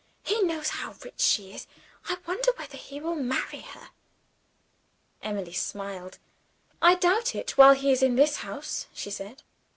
"He knows how rich she is I wonder whether he will marry her." Emily smiled. "I doubt it, while he is in this house," she said.